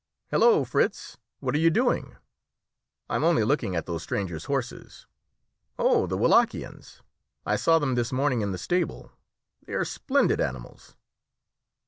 "Halloo, Fritz! what are you doing?" "I am only looking at those strangers' horses." "Oh, the Wallachians! I saw them this morning in the stable. They are splendid animals."